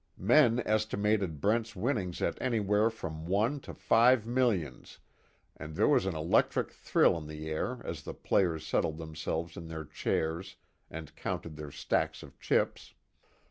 Men estimated Brent's winnings at anywhere from one to five millions and there was an electric thrill in the air as the players settled themselves in their chairs and counted their stacks of chips.